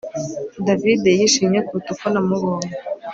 David yishimye kuruta uko namubonye